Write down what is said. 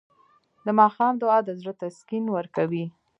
د ماښام دعا د زړه تسکین ورکوي.